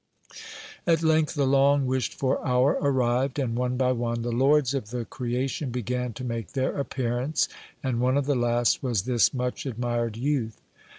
At length the long wished for hour arrived, and one by one the lords of the creation began to make their appearance; and one of the last was this much admired youth.